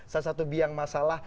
satu biang masalah